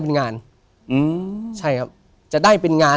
แต่จะได้เป็นงาน